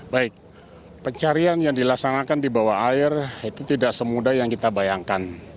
baik pencarian yang dilaksanakan di bawah air itu tidak semudah yang kita bayangkan